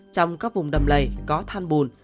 trong các vùng đầm lầy có than bùn